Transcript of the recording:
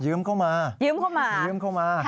ยืมเข้ามา